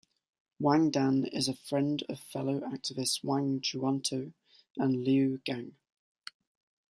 Wang Dan is a friend of fellow activists Wang Juntao and Liu Gang.